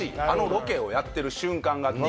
あのロケをやってる瞬間が！